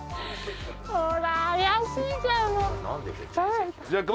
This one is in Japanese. ほら怪しいじゃん。